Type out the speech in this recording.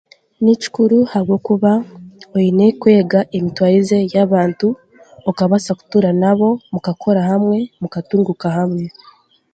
Ni kikuru ahabwokuba oine kwega emitwarize y'abantu mukabaasa kutuura hamwe mukakora hamwe, mukatunguuka hamwe